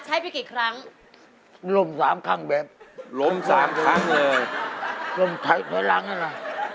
ใช้ไปกี่ครั้งล้ม๓ครั้งแบบล้ม๓ครั้งเลยล้มท้ายท้ายหลังนั่นล่ะ